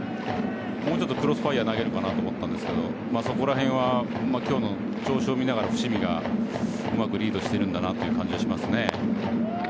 もうちょっとクロスファイヤー投げるかと思ったんですけどそこらへんは今日の調子を見ながら伏見がうまくリードしているんだという感じがしますね。